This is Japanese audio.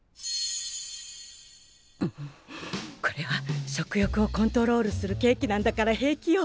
んこれは食欲をコントロールするケーキなんだから平気よ。